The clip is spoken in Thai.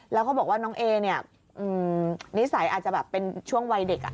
แล้วก็บอกว่าน้องเอเนี่ยนิสัยอาจจะแบบเป็นช่วงวัยเด็ก